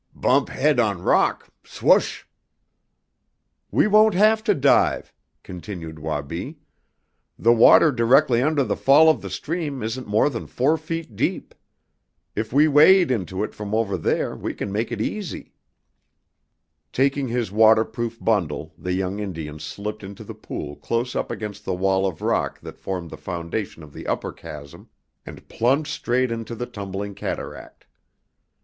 "Bump head on rock swush!" "We won't have to dive," continued Wabi. "The water directly under the fall of the stream isn't more than four feet deep. If we wade into it from over there we can make it easy." Taking his waterproof bundle the young Indian slipped into the pool close up against the wall of rock that formed the foundation of the upper chasm and plunged straight into the tumbling cataract.